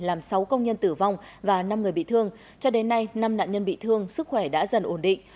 làm sáu công nhân tử vong và năm người bị thương cho đến nay năm nạn nhân bị thương sức khỏe đã dần ổn định